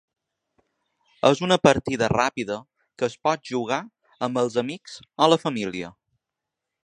És una partida ràpida que es pot jugar amb els amics o la família.